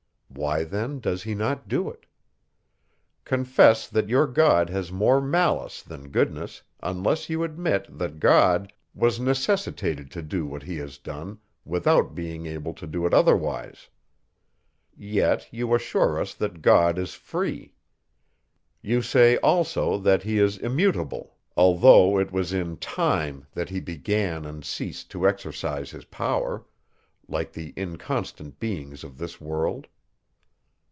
Why then does he not do it? Confess, that your God has more malice than goodness, unless you admit, that God, was necessitated to do what he has done, without being able to do it otherwise. Yet, you assure us, that God is free. You say also, that he is immutable, although it was in Time that he began and ceased to exercise his power, like the inconstant beings of this world.